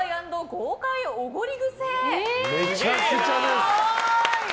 豪快おごり癖！